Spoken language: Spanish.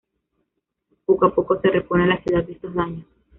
Poco a poco se repone la ciudad de estos daños.